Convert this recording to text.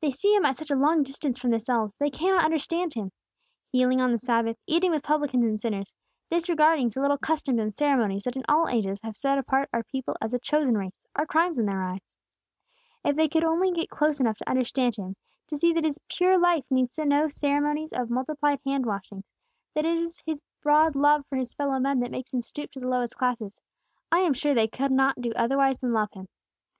They see Him at such a long distance from themselves, they can not understand Him. Healing on the Sabbath, eating with publicans and sinners, disregarding the little customs and ceremonies that in all ages have set apart our people as a chosen race, are crimes in their eyes. "If they only could get close enough to understand Him; to see that His pure life needs no ceremonies of multiplied hand washings; that it is His broad love for His fellow men that makes Him stoop to the lowest classes, I am sure they could not do otherwise than love Him.